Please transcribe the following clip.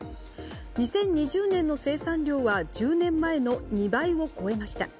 ２０２０年の生産量は１０年前の２倍を超えました。